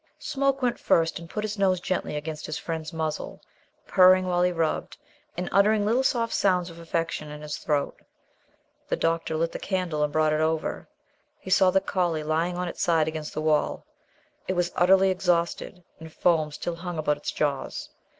Smoke went first and put his nose gently against his friend's muzzle, purring while he rubbed, and uttering little soft sounds of affection in his throat. The doctor lit the candle and brought it over. He saw the collie lying on its side against the wall; it was utterly exhausted, and foam still hung about its jaws.